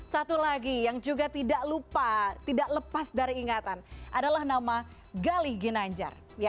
satu lagi yang juga tidak lupa tidak lepas dari ingatan adalah nama gali ginanjar